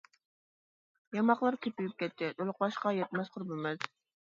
ياماقلىرى كۆپىيىپ كەتتى، تولۇقلاشقا يەتمەس قۇربىمىز.